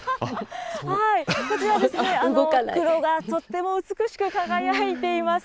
こちらは、黒がとっても美しく輝いています。